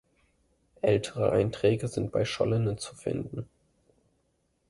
Ältere Einträge sind bei Schollene zu finden.